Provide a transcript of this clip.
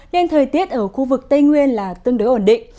nên thời tiết ở khu vực tây nguyên là tương đối ổn định